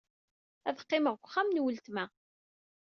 Ad qqimeɣ deg wexxam n weltma.